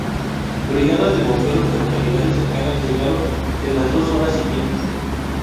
Brigadas de bomberos de localidades cercanas llegaron en las dos horas siguientes.